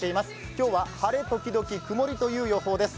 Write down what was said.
今日は晴れ時々曇りという予報です。